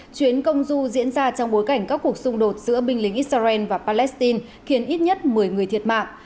chuyến công du diễn ra trong bối cảnh các cuộc xung đột giữa binh lính israel và palestine khiến ít nhất một mươi người thiệt mạng